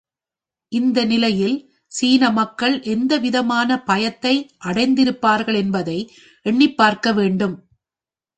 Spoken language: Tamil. இந்த நிலையில் சீன மக்கள் எந்த விதமான பயத்தை அடைந்திருப்பார்கள் என்பதை எண்ணிப் பார்க்கவேண்டும்.